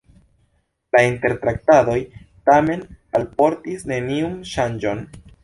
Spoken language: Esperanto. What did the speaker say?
La intertraktadoj tamen alportis neniun ŝanĝon.